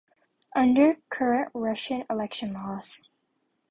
Under current Russian election laws.